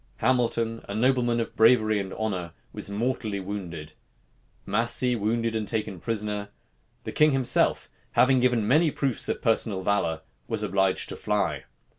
Hamilton, a nobleman of bravery and honor, was mortally wounded; Massey wounded and taken prisoner; the king himself, having given many proofs of personal valor, was obliged to fly.